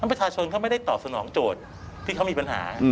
ประชาชนเขาไม่ได้ตอบสนองโจทย์ที่เขามีปัญหา